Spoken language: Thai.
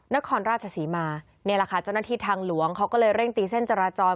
นครราชศรีมานี่แหละค่ะเจ้าหน้าที่ทางหลวงเขาก็เลยเร่งตีเส้นจราจร